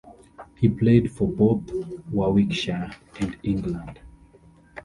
He played for both Warwickshire and England.